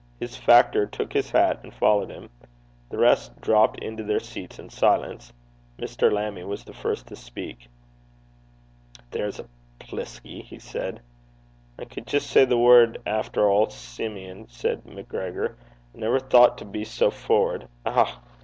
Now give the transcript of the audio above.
His factor took his hat and followed him. The rest dropped into their seats in silence. Mr. Lammie was the first to speak. 'There's a pliskie!' he said. 'I cud jist say the word efter auld Simeon,' said MacGregor. 'I never thocht to be sae favoured! Eh!